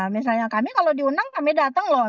misalnya kami kalau diundang kami datang loh